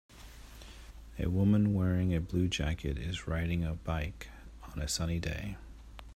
A woman wearing a blue jacket is riding a bike on a sunny day.